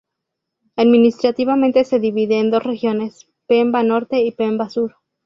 Administrativamente se divide en dos regiones: Pemba Norte y Pemba Sur.